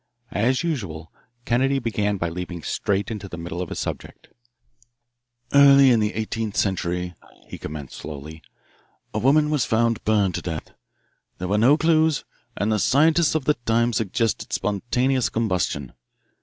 As usual Kennedy began by leaping straight into the middle of his subject. "Early in the eighteenth century;" he commenced slowly, "a woman was found burned to death. There were no clues, and the scientists of that time suggested spontaneous combustion.